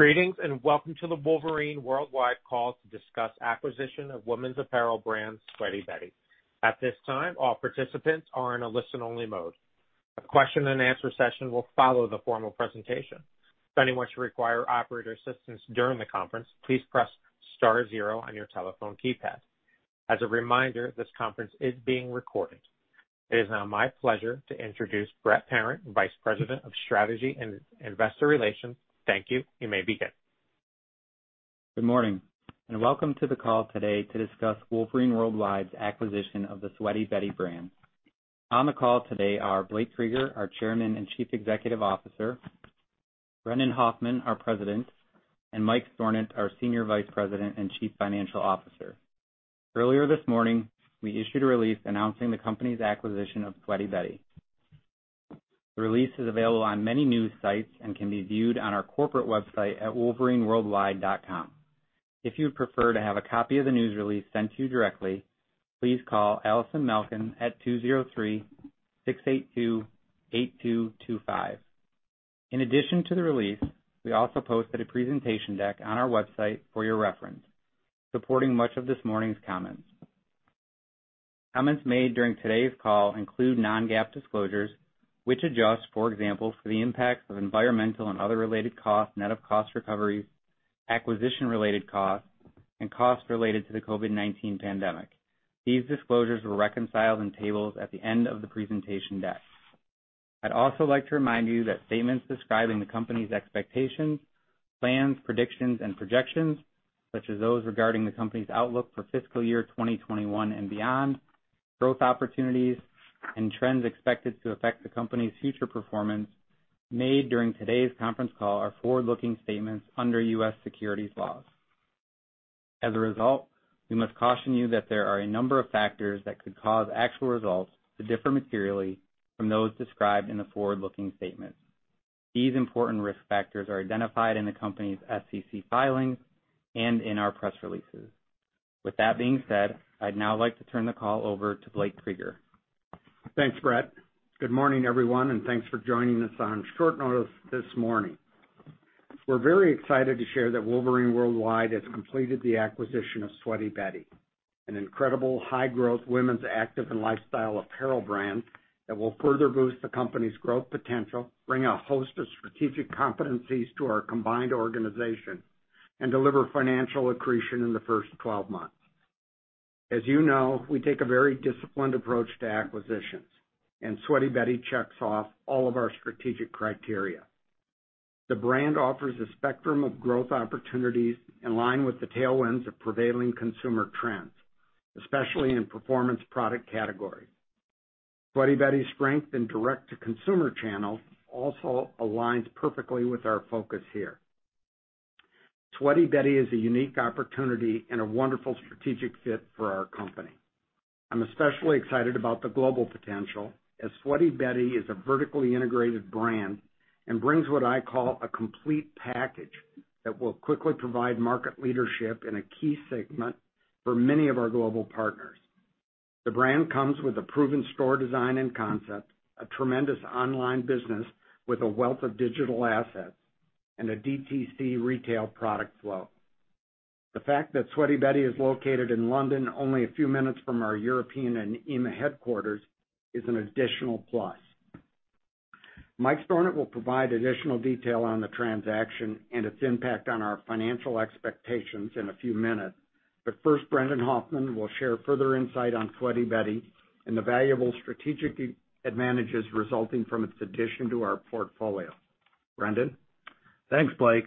Greetings, welcome to the Wolverine World Wide call to discuss acquisition of women's apparel brand, Sweaty Betty. At this time, all participants are in a listen-only mode. A question and answer session will follow the formal presentation. If anyone should require operator assistance during the conference, please press star zero on your telephone keypad. As a reminder, this conference is being recorded. It is now my pleasure to introduce Brendan Hoffman, Vice President of Strategy and Investor Relations. Thank you. You may begin. Good morning, and welcome to the call today to discuss Wolverine World Wide's acquisition of the Sweaty Betty brand. On the call today are Blake Krueger, our Chairman and Chief Executive Officer, Brendan Hoffman, our President, and Mike Stornant, our Senior Vice President and Chief Financial Officer. Earlier this morning, we issued a release announcing the company's acquisition of Sweaty Betty. The release is available on many news sites and can be viewed on our corporate website at wolverineworldwide.com. If you would prefer to have a copy of the news release sent to you directly, please call Allison Malkin at (203) 682-8225. In addition to the release, we also posted a presentation deck on our website for your reference, supporting much of this morning's comments. Comments made during today's call include non-GAAP disclosures, which adjust, for example, for the impacts of environmental and other related costs, net of cost recoveries, acquisition-related costs, and costs related to the COVID-19 pandemic. These disclosures were reconciled in tables at the end of the presentation deck. I'd also like to remind you that statements describing the company's expectations, plans, predictions, and projections, such as those regarding the company's outlook for fiscal year 2021 and beyond, growth opportunities, and trends expected to affect the company's future performance made during today's conference call are forward-looking statements under U.S. securities laws. As a result, we must caution you that there are a number of factors that could cause actual results to differ materially from those described in the forward-looking statement. These important risk factors are identified in the company's SEC filings and in our press releases. With that being said, I'd now like to turn the call over to Blake Krueger. Thanks, Brendan. Good morning, everyone, and thanks for joining us on short notice this morning. We're very excited to share that Wolverine World Wide has completed the acquisition of Sweaty Betty, an incredible high-growth women's active and lifestyle apparel brand that will further boost the company's growth potential, bring a host of strategic competencies to our combined organization, and deliver financial accretion in the first 12 months. As you know, we take a very disciplined approach to acquisitions, and Sweaty Betty checks off all of our strategic criteria. The brand offers a spectrum of growth opportunities in line with the tailwinds of prevailing consumer trends, especially in performance product category. Sweaty Betty's strength and direct-to-consumer channel also aligns perfectly with our focus here. Sweaty Betty is a unique opportunity and a wonderful strategic fit for our company. I'm especially excited about the global potential, as Sweaty Betty is a vertically integrated brand and brings what I call a complete package that will quickly provide market leadership in a key segment for many of our global partners. The brand comes with a proven store design and concept, a tremendous online business with a wealth of digital assets, and a DTC retail product flow. The fact that Sweaty Betty is located in London only a few minutes from our European and EMEA headquarters is an additional plus. Mike Stornant will provide additional detail on the transaction and its impact on our financial expectations in a few minutes, but first, Brendan Hoffman will share further insight on Sweaty Betty and the valuable strategic advantages resulting from its addition to our portfolio. Brendan? Thanks, Blake.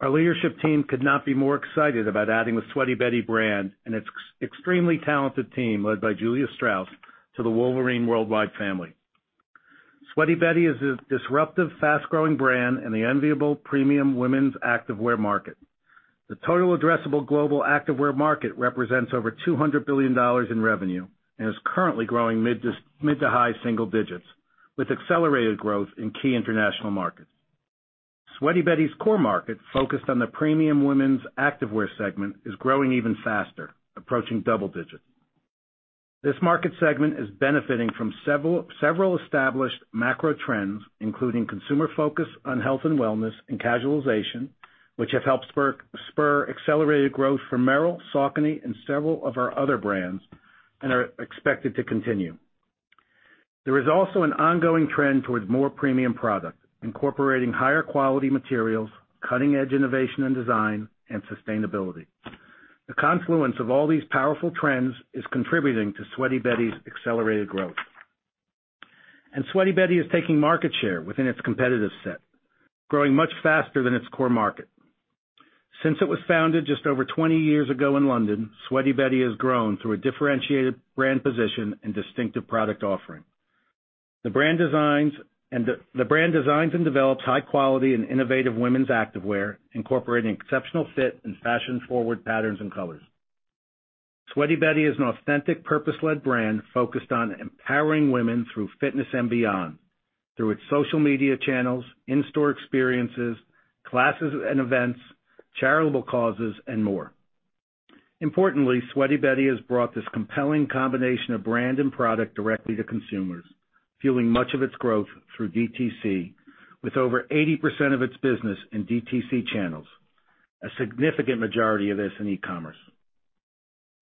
Our leadership team could not be more excited about adding the Sweaty Betty brand and its extremely talented team, led by Julia Straus, to the Wolverine World Wide family. Sweaty Betty is a disruptive, fast-growing brand in the enviable premium women's activewear market. The total addressable global activewear market represents over $200 billion in revenue and is currently growing mid to high single digits, with accelerated growth in key international markets. Sweaty Betty's core market, focused on the premium women's activewear segment, is growing even faster, approaching double digits. This market segment is benefiting from several established macro trends, including consumer focus on health and wellness and casualization, which have helped spur accelerated growth for Merrell, Saucony, and several of our other brands, and are expected to continue. There is also an ongoing trend towards more premium product, incorporating higher quality materials, cutting-edge innovation and design, and sustainability. The confluence of all these powerful trends is contributing to Sweaty Betty's accelerated growth. Sweaty Betty is taking market share within its competitive set, growing much faster than its core market. Since it was founded just over 20 years ago in London, Sweaty Betty has grown through a differentiated brand position and distinctive product offering. The brand designs and develops high quality and innovative women's activewear, incorporating exceptional fit and fashion-forward patterns and colors. Sweaty Betty is an authentic purpose-led brand focused on empowering women through fitness and beyond through its social media channels, in-store experiences, classes and events, charitable causes, and more. Importantly, Sweaty Betty has brought this compelling combination of brand and product directly to consumers, fueling much of its growth through DTC with over 80% of its business in DTC channels. A significant majority of this in e-commerce.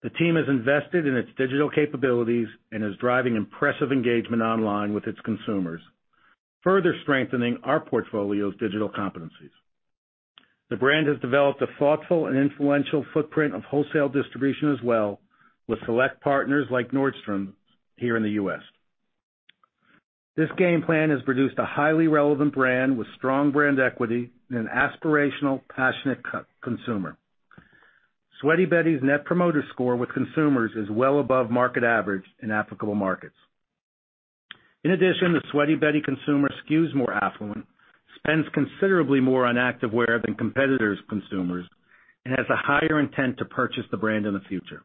The team has invested in its digital capabilities and is driving impressive engagement online with its consumers, further strengthening our portfolio's digital competencies. The brand has developed a thoughtful and influential footprint of wholesale distribution as well with select partners like Nordstrom here in the U.S. This game plan has produced a highly relevant brand with strong brand equity and an aspirational, passionate consumer. Sweaty Betty's net promoter score with consumers is well above market average in applicable markets. In addition, the Sweaty Betty consumer skews more affluent, spends considerably more on activewear than competitors' consumers, and has a higher intent to purchase the brand in the future.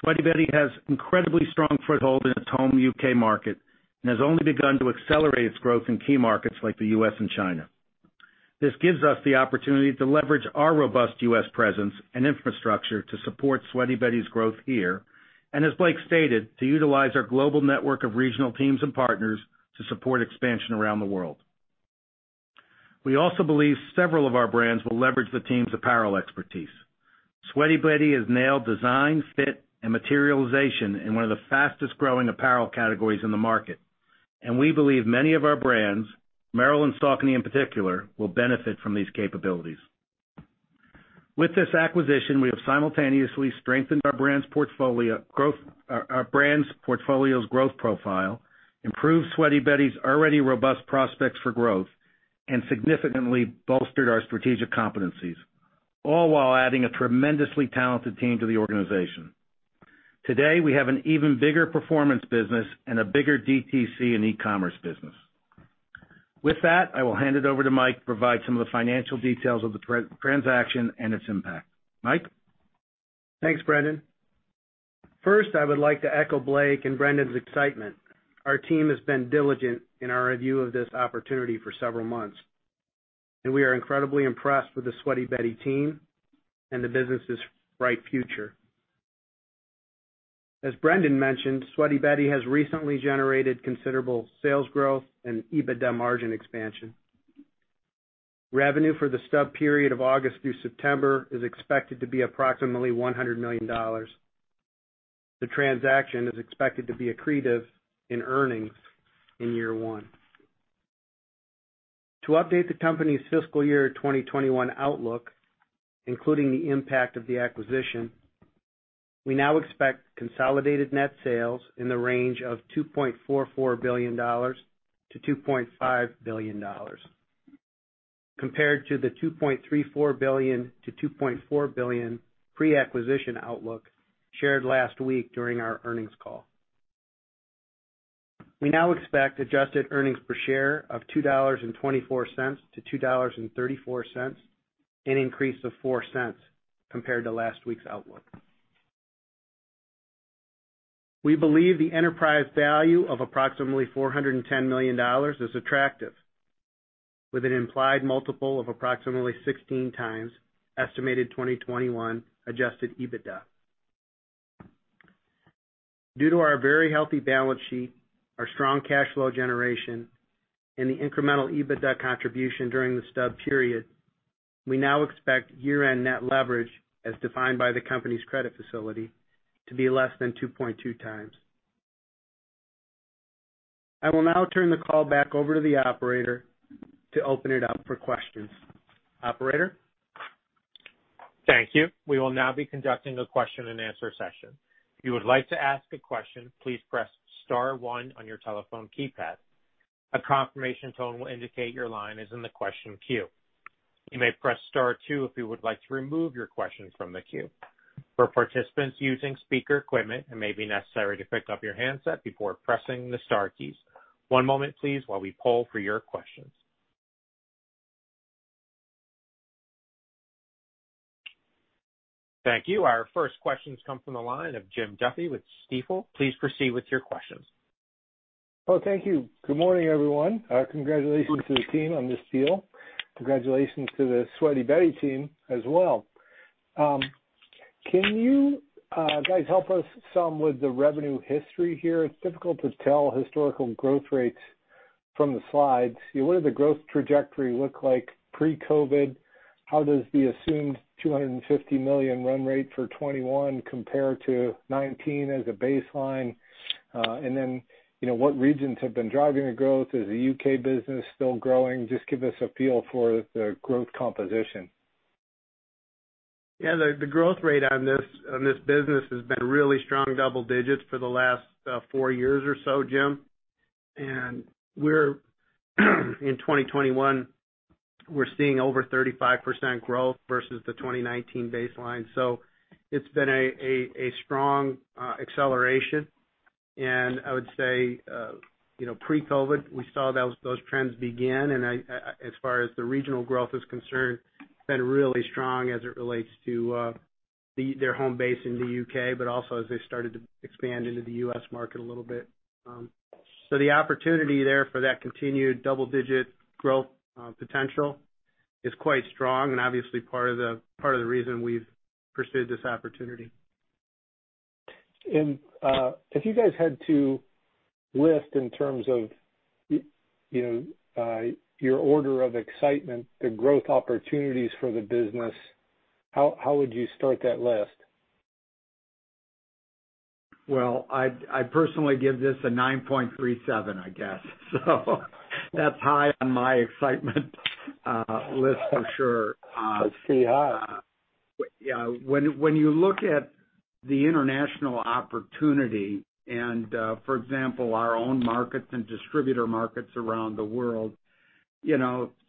Sweaty Betty has incredibly strong foothold in its home U.K. market and has only begun to accelerate its growth in key markets like the U.S. and China. This gives us the opportunity to leverage our robust U.S. presence and infrastructure to support Sweaty Betty's growth here, and as Blake stated, to utilize our global network of regional teams and partners to support expansion around the world. We also believe several of our brands will leverage the team's apparel expertise. Sweaty Betty has nailed design, fit, and materialization in one of the fastest-growing apparel categories in the market, and we believe many of our brands, Merrell and Saucony in particular, will benefit from these capabilities. With this acquisition, we have simultaneously strengthened our brand's portfolio's growth profile, improved Sweaty Betty's already robust prospects for growth, and significantly bolstered our strategic competencies, all while adding a tremendously talented team to the organization. Today, we have an even bigger performance business and a bigger DTC and e-commerce business. With that, I will hand it over to Mike to provide some of the financial details of the transaction and its impact. Mike? Thanks, Brendan. First, I would like to echo Blake and Brendan's excitement. Our team has been diligent in our review of this opportunity for several months, and we are incredibly impressed with the Sweaty Betty team and the business' bright future. As Brendan mentioned, Sweaty Betty has recently generated considerable sales growth and EBITDA margin expansion. Revenue for the stub period of August through September is expected to be approximately $100 million. The transaction is expected to be accretive in earnings in year one. To update the company's fiscal year 2021 outlook, including the impact of the acquisition, we now expect consolidated net sales in the range of $2.44 billion-$2.5 billion, compared to the $2.34 billion-$2.4 billion pre-acquisition outlook shared last week during our earnings call. We now expect adjusted earnings per share of $2.24-$2.34, an increase of $0.04 compared to last week's outlook. We believe the enterprise value of approximately $410 million is attractive, with an implied multiple of approximately 16 times estimated 2021 adjusted EBITDA. Due to our very healthy balance sheet, our strong cash flow generation, and the incremental EBITDA contribution during the stub period, we now expect year-end net leverage, as defined by the company's credit facility, to be less than 2.2 times. I will now turn the call back over to the operator to open it up for questions. Operator? Our first questions come from the line of Jim Duffy with Stifel. Please proceed with your questions. Oh, thank you. Good morning, everyone. Congratulations to the team on this deal. Congratulations to the Sweaty Betty team as well. Can you guys help us some with the revenue history here? It is difficult to tell historical growth rates from the slides. What did the growth trajectory look like pre-COVID? How does the assumed $250 million run rate for 2021 compare to 2019 as a baseline? What regions have been driving the growth? Is the U.K. business still growing? Give us a feel for the growth composition. Yeah. The growth rate on this business has been really strong double-digits for the last four years or so, Jim Duffy. In 2021, we're seeing over 35% growth versus the 2019 baseline. It's been a strong acceleration. I would say, pre-COVID, we saw those trends begin, and as far as the regional growth is concerned, it's been really strong as it relates to their home base in the U.K., but also as they started to expand into the U.S. market a little bit. The opportunity there for that continued double-digit growth potential is quite strong and obviously part of the reason we've pursued this opportunity. If you guys had to list in terms of your order of excitement, the growth opportunities for the business, how would you start that list? Well, I'd personally give this a 9.37, I guess. That's high on my excitement list for sure. That's pretty high. Yeah. When you look at the international opportunity and, for example, our own markets and distributor markets around the world,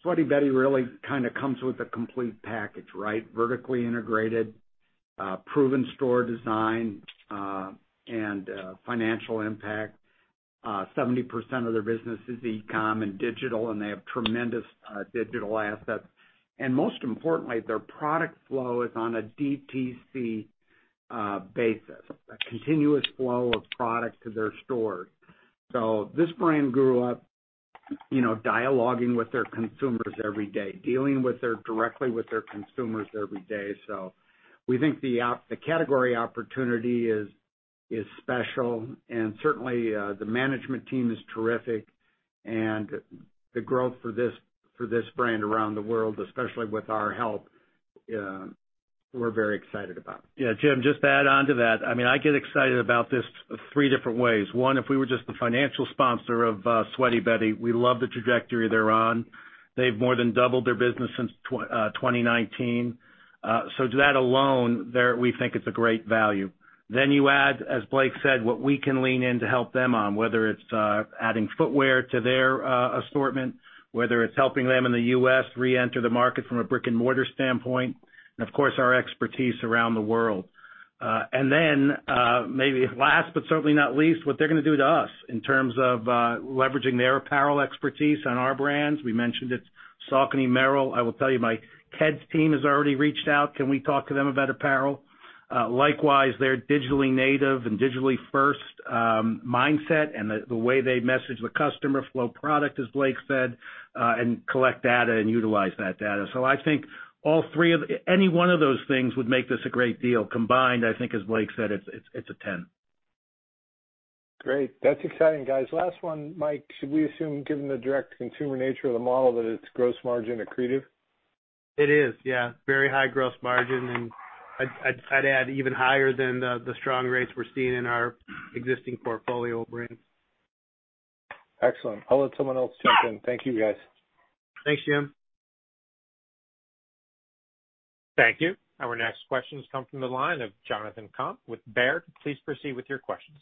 Sweaty Betty really kind of comes with a complete package, right? Vertically integrated, proven store design, and financial impact. 70% of their business is e-com and digital, and they have tremendous digital assets. Most importantly, their product flow is on a DTC basis, a continuous flow of product to their stores. This brand grew up dialoguing with their consumers every day, dealing directly with their consumers every day. We think the category opportunity is special and certainly the management team is terrific and the growth for this brand around the world, especially with our help, we're very excited about. Yeah, Jim, just to add onto that, I get excited about this three different ways. One, if we were just the financial sponsor of Sweaty Betty, we love the trajectory they're on. They've more than doubled their business since 2019. That alone, we think it's a great value. You add, as Blake Krueger said, what we can lean in to help them on, whether it's adding footwear to their assortment, whether it's helping them in the U.S. reenter the market from a brick and mortar standpoint, and of course, our expertise around the world. Maybe last but certainly not least, what they're going to do to us in terms of leveraging their apparel expertise on our brands. We mentioned it, Saucony, Merrell. I will tell you, Ked's team has already reached out. Can we talk to them about apparel? Likewise, they're digitally native and digitally first mindset, and the way they message the customer flow product, as Blake said, and collect data and utilize that data. I think any one of those things would make this a great deal. Combined, I think as Blake said, it's a 10. Great. That's exciting, guys. Last one, Mike, should we assume, given the direct consumer nature of the model, that it's gross margin accretive? It is, yeah. Very high gross margin, and I'd add even higher than the strong rates we're seeing in our existing portfolio brands. Excellent. I'll let someone else jump in. Thank you, guys. Thanks, Jim. Thank you. Our next questions come from the line of Jonathan Komp with Baird. Please proceed with your questions.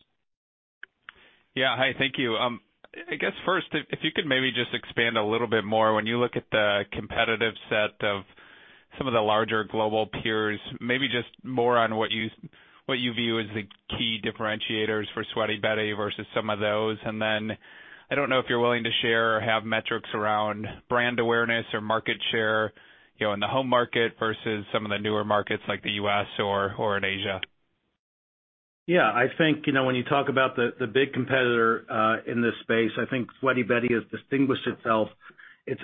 Yeah. Hi, thank you. I guess first, if you could maybe just expand a little bit more, when you look at the competitive set of some of the larger global peers, maybe just more on what you view as the key differentiators for Sweaty Betty versus some of those. Then I don't know if you're willing to share or have metrics around brand awareness or market share in the home market versus some of the newer markets like the U.S. or in Asia. Yeah, I think, when you talk about the big competitor in this space, I think Sweaty Betty has distinguished itself. It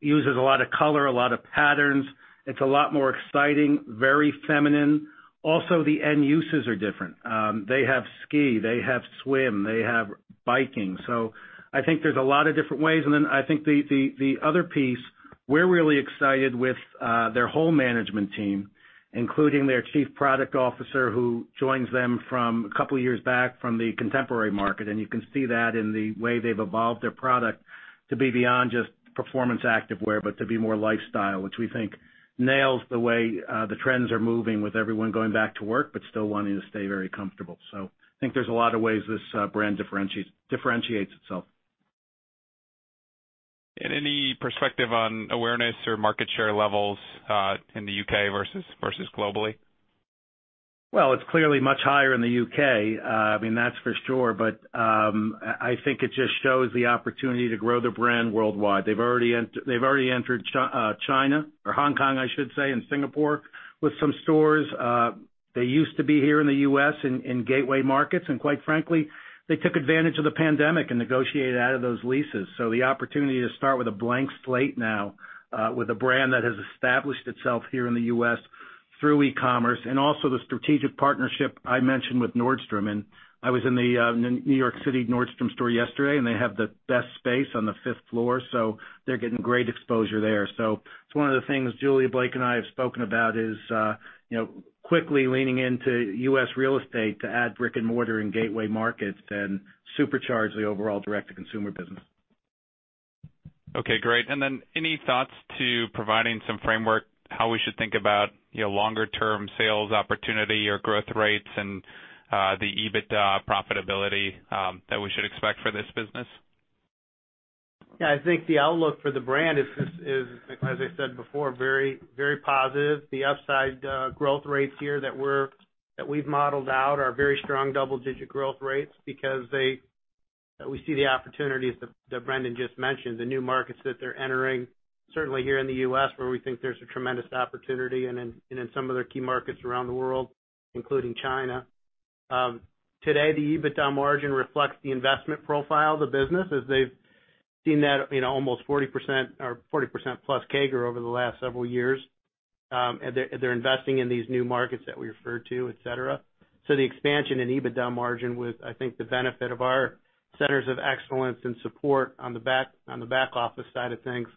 uses a lot of color, a lot of patterns. It's a lot more exciting, very feminine. Also, the end uses are different. They have ski, they have swim, they have biking. I think there's a lot of different ways. I think the other piece, we're really excited with their whole management team, including their chief product officer, who joins them from a couple of years back from the contemporary market, and you can see that in the way they've evolved their product to be beyond just performance activewear, but to be more lifestyle. Which we think nails the way the trends are moving with everyone going back to work but still wanting to stay very comfortable. I think there's a lot of ways this brand differentiates itself. Any perspective on awareness or market share levels in the U.K. versus globally? It's clearly much higher in the U.K. That's for sure. I think it just shows the opportunity to grow the brand worldwide. They've already entered China or Hong Kong, I should say, and Singapore with some stores. They used to be here in the U.S. in gateway markets, and quite frankly, they took advantage of COVID-19 and negotiated out of those leases. The opportunity to start with a blank slate now with a brand that has established itself here in the U.S. through e-com and also the strategic partnership I mentioned with Nordstrom. I was in the New York City Nordstrom store yesterday, they have the best space on the fifth floor, they're getting great exposure there. It's one of the things Julia, Blake, and I have spoken about is quickly leaning into U.S. real estate to add brick and mortar in gateway markets and supercharge the overall direct-to-consumer business. Okay, great. Any thoughts to providing some framework how we should think about longer-term sales opportunity or growth rates and the EBITDA profitability that we should expect for this business? Yeah, I think the outlook for the brand is, as I said before, very positive. The upside growth rates here that we've modeled out are very strong double-digit growth rates because we see the opportunities that Brendan just mentioned, the new markets that they're entering, certainly here in the U.S., where we think there's a tremendous opportunity, and in some of their key markets around the world. Including China. Today, the EBITDA margin reflects the investment profile of the business, as they've seen that almost 40%+ CAGR over the last several years. They're investing in these new markets that we referred to, et cetera. The expansion in EBITDA margin with, I think, the benefit of our centers of excellence and support on the back office side of things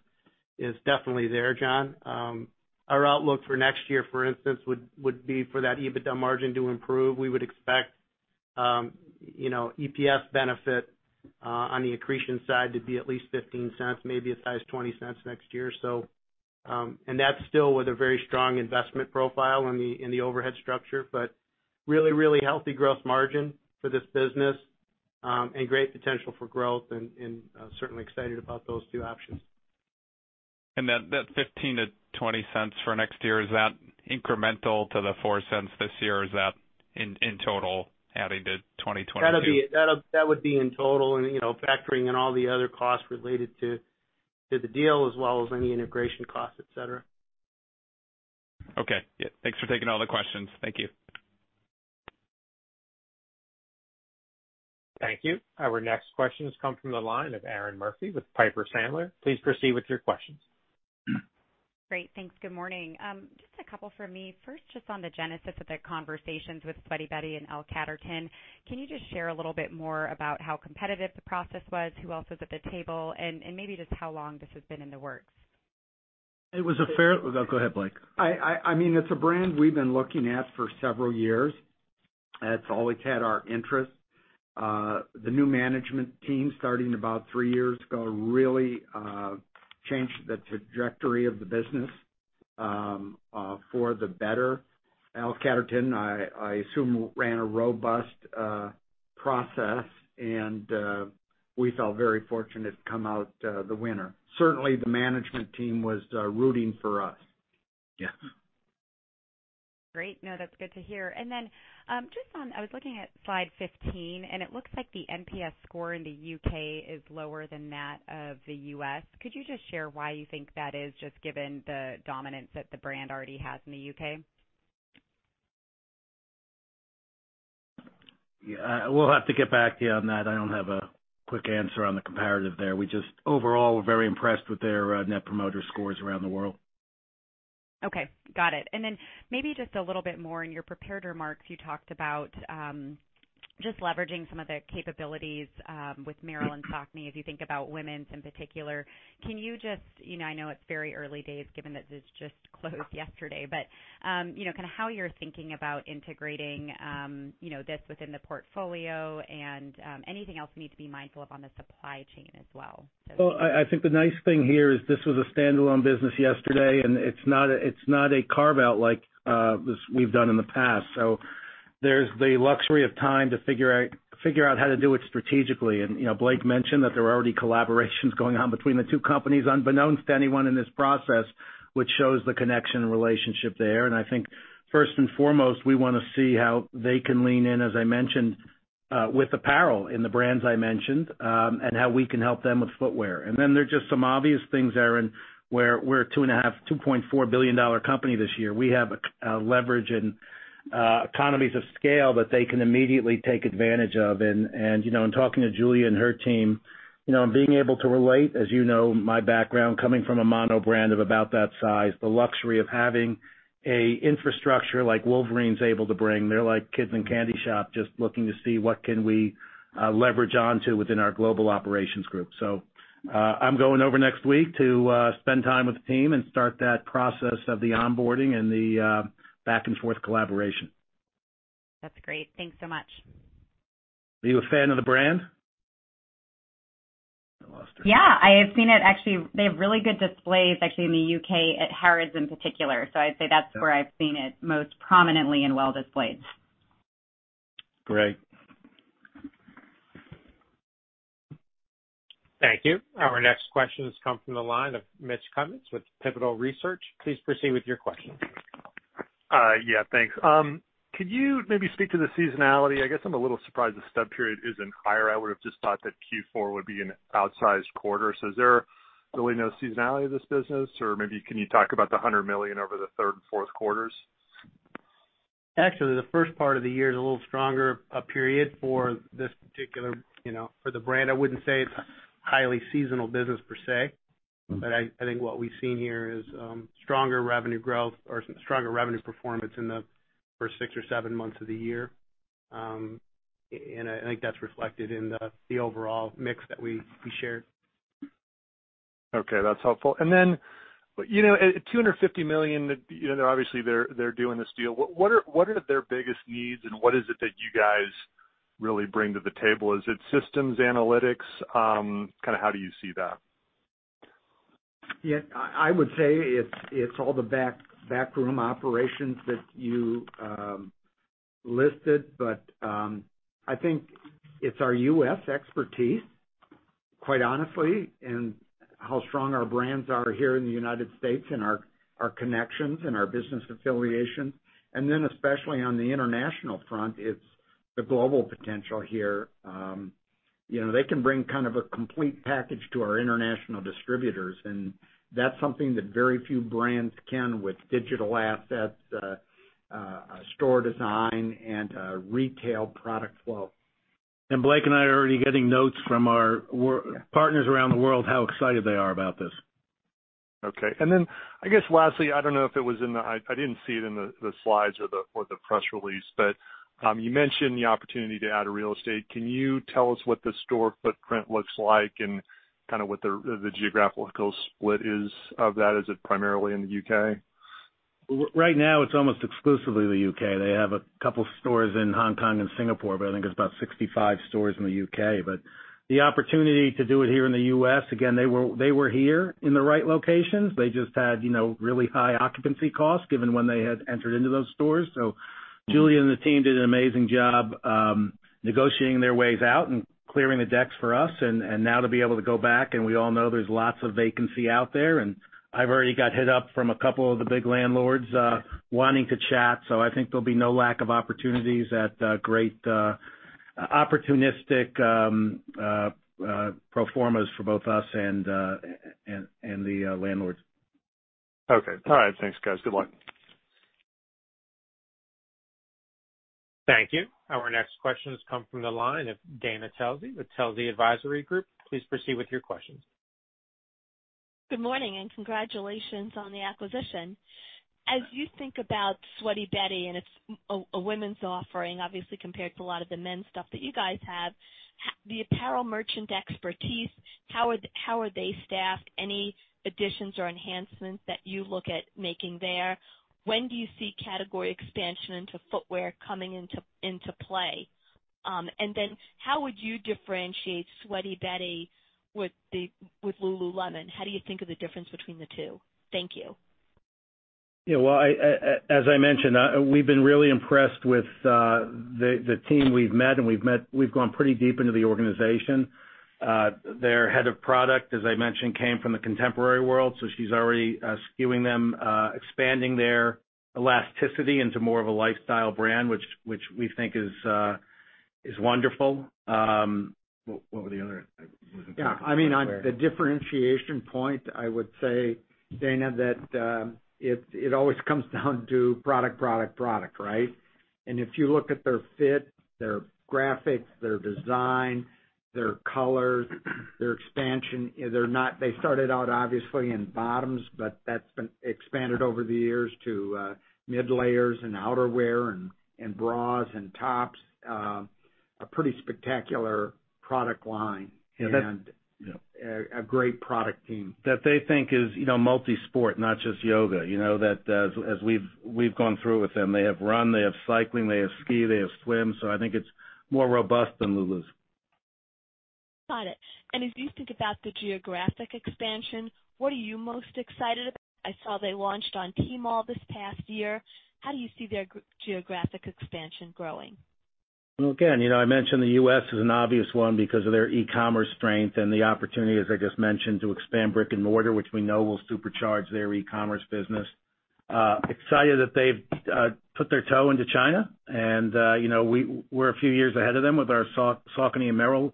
is definitely there, Jonathan. Our outlook for next year, for instance, would be for that EBITDA margin to improve. We would expect EPS benefit on the accretion side to be at least $0.15, maybe as high as $0.20 next year. That's still with a very strong investment profile in the overhead structure, but really, really healthy growth margin for this business, and great potential for growth, and certainly excited about those two options. That $0.15-$0.20 for next year, is that incremental to the $0.04 this year, or is that in total adding to 2022? That would be in total and factoring in all the other costs related to the deal as well as any integration costs, et cetera. Okay. Yeah. Thanks for taking all the questions. Thank you. Thank you. Our next question comes from the line of Erinn Murphy with Piper Sandler. Please proceed with your questions. Great. Thanks. Good morning. Just a couple from me. First, just on the genesis of the conversations with Sweaty Betty and L Catterton, can you just share a little bit more about how competitive the process was, who else was at the table, and maybe just how long this has been in the works? Go ahead, Blake. It's a brand we've been looking at for several years. It's always had our interest. The new management team, starting about three years ago, really changed the trajectory of the business for the better. L Catterton, I assume, ran a robust process, and we felt very fortunate to come out the winner. Certainly, the management team was rooting for us. Yeah. Great. No, that's good to hear. I was looking at slide 15, and it looks like the NPS score in the U.K. is lower than that of the U.S. Could you just share why you think that is, just given the dominance that the brand already has in the U.K.? Yeah, we'll have to get back to you on that. I don't have a quick answer on the comparative there. Overall, we're very impressed with their net promoter scores around the world. Okay. Got it. Then maybe just a little bit more. In your prepared remarks, you talked about just leveraging some of the capabilities with Merrell and Saucony, as you think about women's in particular. I know it's very early days given that this just closed yesterday, but kind of how you're thinking about integrating this within the portfolio and anything else you need to be mindful of on the supply chain as well. Well, I think the nice thing here is this was a standalone business yesterday, and it's not a carve-out like we've done in the past. There's the luxury of time to figure out how to do it strategically. Blake Krueger mentioned that there were already collaborations going on between the two companies unbeknownst to anyone in this process, which shows the connection and relationship there. I think first and foremost, we want to see how they can lean in, as I mentioned, with apparel in the brands I mentioned, and how we can help them with footwear. There are just some obvious things, Erinn, where we're a $2.4 billion company this year. We have a leverage in economies of scale that they can immediately take advantage of. In talking to Julia Straus and her team, and being able to relate. As you know, my background coming from a mono brand of about that size, the luxury of having an infrastructure like Wolverine's able to bring, they're like kids in a candy shop, just looking to see what can we leverage onto within our global operations group. I'm going over next week to spend time with the team and start that process of the onboarding and the back-and-forth collaboration. That's great. Thanks so much. Are you a fan of the brand? I lost her. Yeah, I have seen it, actually. They have really good displays actually in the U.K. at Harrods in particular. I'd say that's where I've seen it most prominently and well displayed. Great. Thank you. Our next question comes from the line of Mitchel Kummetz with Pivotal Research Group. Please proceed with your question. Thanks. Could you maybe speak to the seasonality? I guess I'm a little surprised the stub period isn't higher. I would've just thought that Q4 would be an outsized quarter. Is there really no seasonality to this business, or maybe can you talk about the $100 million over the third and fourth quarters? Actually, the first part of the year is a little stronger a period for the brand. I wouldn't say it's a highly seasonal business per se. I think what we've seen here is stronger revenue performance in the first six or seven months of the year. I think that's reflected in the overall mix that we shared. Okay. That's helpful. At $250 million, obviously they're doing this deal. What are their biggest needs, and what is it that you guys really bring to the table? Is it systems analytics? Kind of how do you see that? I would say it's all the back room operations that you listed. I think it's our U.S. expertise, quite honestly, and how strong our brands are here in the U.S. and our connections and our business affiliations. Especially on the international front, it's the global potential here. They can bring kind of a complete package to our international distributors, and that's something that very few brands can with digital assets, store design, and retail product flow. Blake Krueger and I are already getting notes from our partners around the world how excited they are about this. Okay. I guess lastly, I didn't see it in the slides or the press release, but you mentioned the opportunity to add real estate. Can you tell us what the store footprint looks like and kind of what the geographical split is of that? Is it primarily in the U.K.? Right now, it's almost exclusively the U.K. They have two stores in Hong Kong and Singapore, but I think it's about 65 stores in the U.K. The opportunity to do it here in the U.S., again, they were here in the right locations. They just had really high occupancy costs given when they had entered into those stores. Julia and the team did an amazing job negotiating their ways out and clearing the decks for us. Now to be able to go back, and we all know there's lots of vacancy out there, and I've already got hit up from two of the big landlords wanting to chat. I think there'll be no lack of opportunities at great opportunistic pro formas for both us and the landlords. Okay. All right. Thanks, guys. Good luck. Thank you. Our next question has come from the line of Dana Telsey with Telsey Advisory Group. Please proceed with your questions. Good morning, and congratulations on the acquisition. As you think about Sweaty Betty and its women's offering, obviously compared to a lot of the men's stuff that you guys have, the apparel merchant expertise, how are they staffed? Any additions or enhancements that you look at making there? When do you see category expansion into footwear coming into play? Then how would you differentiate Sweaty Betty with Lululemon? How do you think of the difference between the two? Thank you. Well, as I mentioned, we've been really impressed with the team we've met, and we've gone pretty deep into the organization. Their head of product, as I mentioned, came from the contemporary world, so she's already skewing them, expanding their elasticity into more of a lifestyle brand, which we think is wonderful. What were the other. I wasn't. Yeah. The differentiation point, I would say, Dana, that it always comes down to product, right? If you look at their fit, their graphics, their design, their colors, their expansion, they started out obviously in bottoms, but that's been expanded over the years to mid layers and outerwear and bras and tops. A pretty spectacular product line and a great product team. That they think is multi-sport, not just yoga. That as we've gone through with them, they have run, they have cycling, they have ski, they have swim. I think it's more robust than Lulu's. Got it. As you think about the geographic expansion, what are you most excited about? I saw they launched on Tmall this past year. How do you see their geographic expansion growing? Again, I mentioned the U.S. is an obvious one because of their e-commerce strength and the opportunity, as I just mentioned, to expand brick and mortar, which we know will supercharge their e-commerce business. Excited that they've put their toe into China and we're a few years ahead of them with our Saucony and Merrell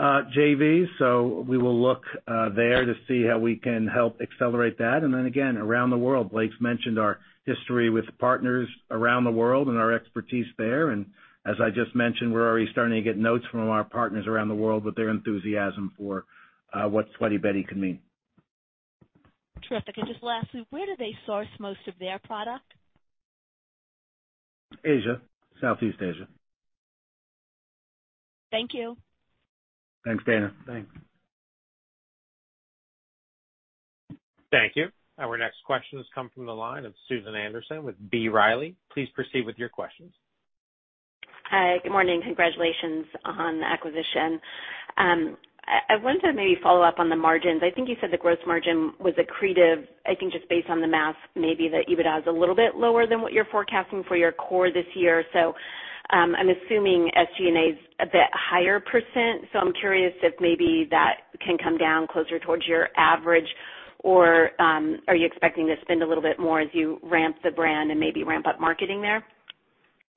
JV. We will look there to see how we can help accelerate that. Again, around the world. Blake's mentioned our history with partners around the world and our expertise there. As I just mentioned, we're already starting to get notes from our partners around the world with their enthusiasm for what Sweaty Betty can mean. Terrific. Just lastly, where do they source most of their product? Asia. Southeast Asia. Thank you. Thanks, Dana. Thanks. Thank you. Our next question has come from the line of Susan Anderson with B. Riley. Please proceed with your questions. Hi. Good morning. Congratulations on the acquisition. I wanted to maybe follow up on the margins. I think you said the gross margin was accretive. I think just based on the math, maybe the EBITDA is a little bit lower than what you're forecasting for your core this year. I'm assuming SG&A is a bit higher %. I'm curious if maybe that can come down closer towards your average, or are you expecting to spend a little bit more as you ramp the brand and maybe ramp up marketing there?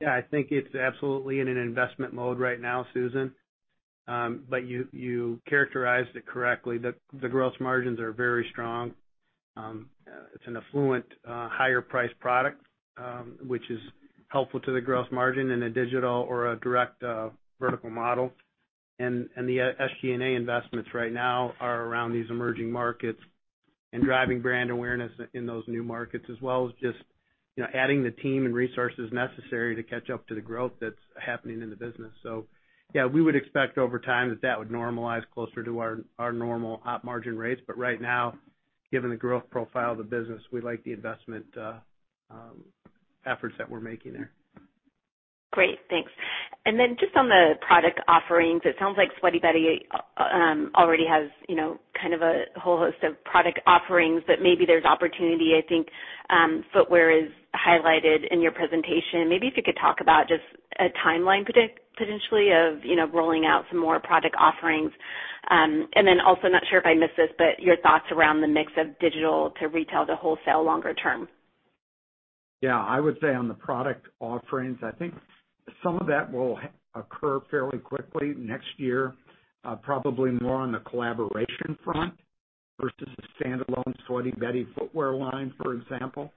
I think it's absolutely in an investment mode right now, Susan Anderson. You characterized it correctly. The gross margins are very strong. It's an affluent higher priced product, which is helpful to the gross margin in a digital or a direct vertical model. The SG&A investments right now are around these emerging markets and driving brand awareness in those new markets, as well as just adding the team and resources necessary to catch up to the growth that's happening in the business. We would expect over time that would normalize closer to our normal op margin rates. Right now, given the growth profile of the business, we like the investment efforts that we're making there. Great. Thanks. Then just on the product offerings, it sounds like Sweaty Betty already has kind of a whole host of product offerings, but maybe there's opportunity. I think footwear is highlighted in your presentation. Maybe if you could talk about just a timeline potentially of rolling out some more product offerings. Then also, not sure if I missed this, but your thoughts around the mix of digital to retail to wholesale longer term. Yeah, I would say on the product offerings, I think some of that will occur fairly quickly next year, probably more on the collaboration front versus a standalone Sweaty Betty footwear line, for example.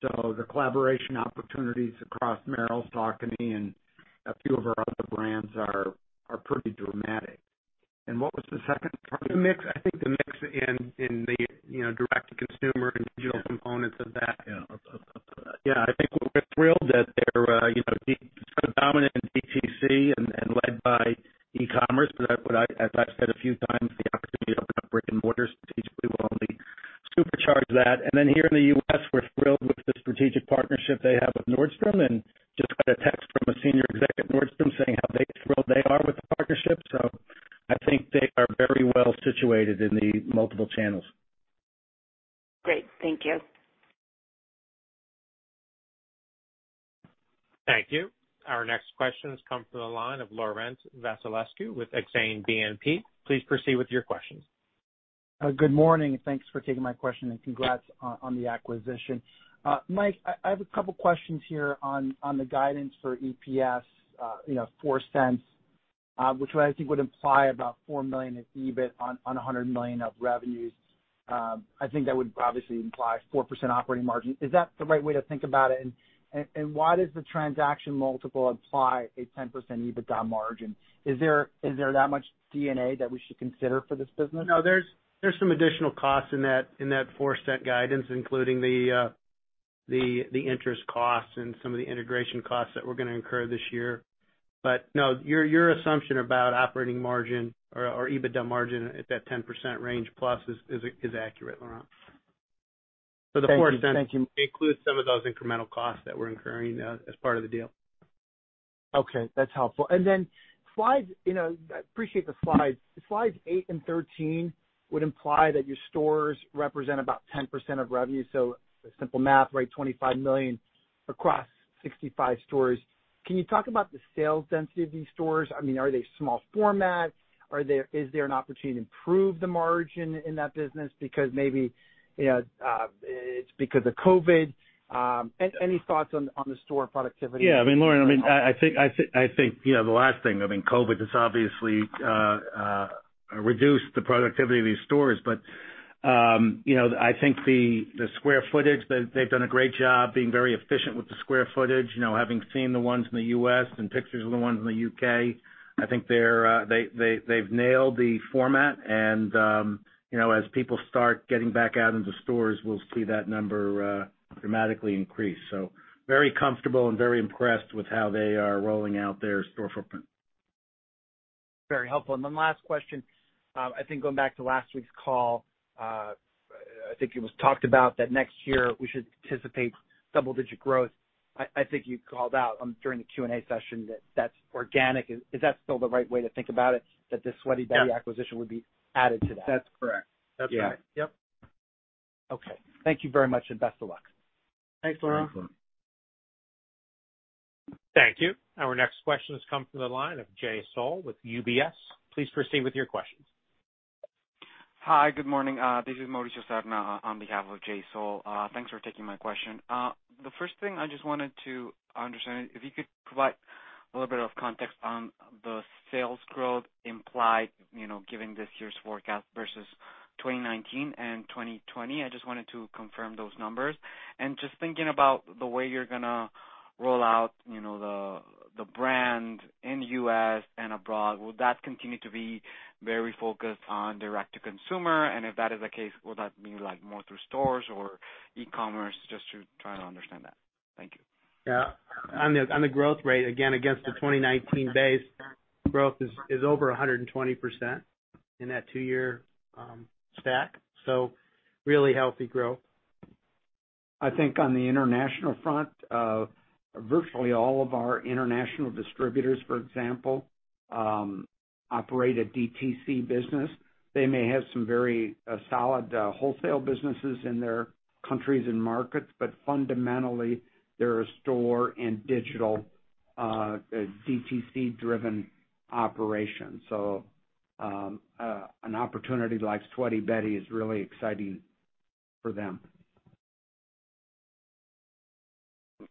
The collaboration opportunities across Merrell, Saucony, and a few of our other brands are pretty dramatic. What was the second part? The mix. I think the mix in the direct to consumer and digital components of that. I think we're thrilled that they're sort of dominant in DTC and led by e-commerce, but as I've said a few times, the opportunity to open up brick-and-mortar strategically will only supercharge that. Here in the U.S., we're thrilled with the strategic partnership they have with Nordstrom, and just got a text from a senior exec at Nordstrom saying how thrilled they are with the partnership. I think they are very well-situated in the multiple channels. Great. Thank you. Thank you. Our next question comes from the line of Laurent Vasilescu with Exane BNP. Please proceed with your questions. Good morning, and thanks for taking my question, and congrats on the acquisition. Mike, I have a couple questions here on the guidance for EPS, cents, which I think would imply about $4 million in EBIT on $100 million of revenues. I think that would obviously imply 4% operating margin. Is that the right way to think about it? Why does the transaction multiple imply a 10% EBITDA margin? Is there that much D&A that we should consider for this business? No, there's some additional costs in that $0.04 guidance, including the interest costs and some of the integration costs that we're going to incur this year. No, your assumption about operating margin or EBITDA margin at that 10% range plus is accurate, Laurent. Thank you. The $0.04 includes some of those incremental costs that we're incurring as part of the deal. Okay. That's helpful. I appreciate the slides. Slides eight and 13 would imply that your stores represent about 10% of revenue. Simple math, right, $25 million across 65 stores. Can you talk about the sales density of these stores? Are they small format? Is there an opportunity to improve the margin in that business because maybe it's because of COVID-19? Any thoughts on the store productivity? Yeah. Laurent, I think the last thing, COVID has obviously reduced the productivity of these stores, but I think the square footage, they've done a great job being very efficient with the square footage. Having seen the ones in the U.S. and pictures of the ones in the U.K., I think they've nailed the format and as people start getting back out into stores, we'll see that number dramatically increase. Very comfortable and very impressed with how they are rolling out their store footprint. Very helpful. Last question. I think going back to last week's call, I think it was talked about that next year we should anticipate double-digit growth. I think you called out during the Q&A session that that's organic. Is that still the right way to think about it, that the Sweaty Betty- Yeah acquisition would be added to that? That's correct. That's right. Yep. Okay. Thank you very much, and best of luck. Thanks, Laurent. Welcome. Thank you. Our next question has come from the line of Jay Sole with UBS. Please proceed with your questions. Hi. Good morning. This is Mauricio Serna on behalf of Jay Sole. Thanks for taking my question. The first thing I just wanted to understand, if you could provide a little bit of context on the sales growth implied, given this year's forecast versus 2019 and 2020. I just wanted to confirm those numbers. Just thinking about the way you're going to roll out the brand in U.S. and abroad, will that continue to be very focused on direct to consumer? If that is the case, will that mean like more through stores or e-commerce? Just to try to understand that. Thank you. Yeah. On the growth rate, again, against the 2019 base, growth is over 120% in that two-year stack. Really healthy growth. I think on the international front, virtually all of our international distributors, for example, operate a DTC business. They may have some very solid wholesale businesses in their countries and markets, but fundamentally, they're a store and digital, DTC-driven operation. An opportunity like Sweaty Betty is really exciting for them.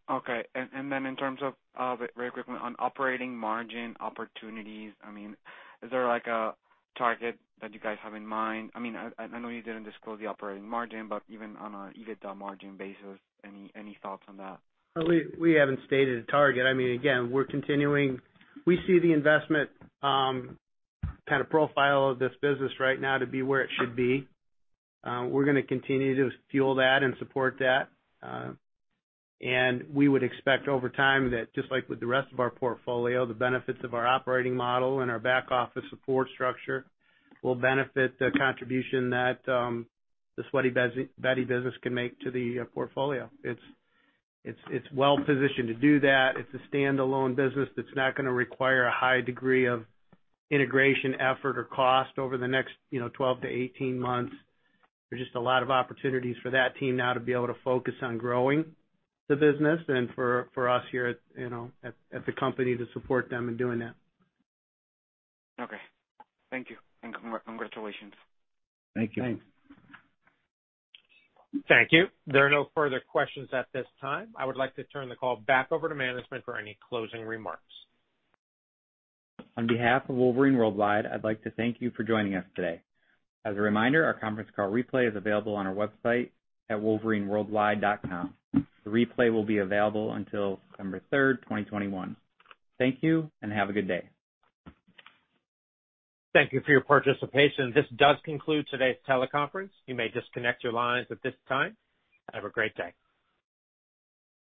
Okay. Then in terms of, very quickly, on operating margin opportunities, is there a target that you guys have in mind? I know you didn't disclose the operating margin, but even on an EBITDA margin basis, any thoughts on that? We haven't stated a target. Again, we see the investment kind of profile of this business right now to be where it should be. We're going to continue to fuel that and support that. We would expect over time that just like with the rest of our portfolio, the benefits of our operating model and our back office support structure will benefit the contribution that the Sweaty Betty business can make to the portfolio. It's well-positioned to do that. It's a standalone business that's not going to require a high degree of integration effort or cost over the next 12-18 months. There's just a lot of opportunities for that team now to be able to focus on growing the business and for us here at the company to support them in doing that. Okay. Thank you, and congratulations. Thank you. Thanks. Thank you. There are no further questions at this time. I would like to turn the call back over to management for any closing remarks. On behalf of Wolverine World Wide, I'd like to thank you for joining us today. As a reminder, our conference call replay is available on our website at wolverineworldwide.com. The replay will be available until December 3, 2021. Thank you, and have a good day. Thank you for your participation. This does conclude today's teleconference. You may disconnect your lines at this time. Have a great day.